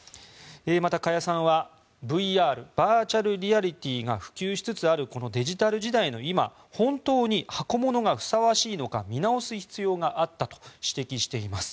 また、加谷さんはＶＲ・バーチャルリアリティーが普及しつつあるこのデジタル時代の今本当に箱物がふさわしいのか見直す必要があったと指摘しています。